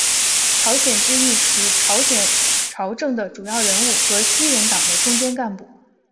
朝鲜之役时朝鲜朝政的主要人物和西人党的中坚干部。